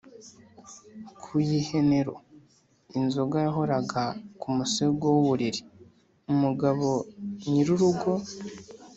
ku y’ihenero: inzoga yahoraga ku musego w’uburiri; umugabo nyiri urugo